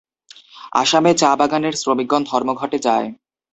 আসামে চা বাগানের শ্রমিকগণ ধর্মঘটে যায়।